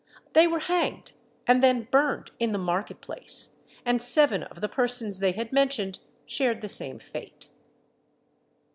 They were hanged, and then burned in the market place, and seven of the persons they had mentioned shared the same fate.